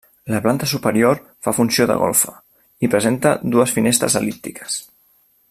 La planta superior fa funció de golfa i presenta dues finestres el·líptiques.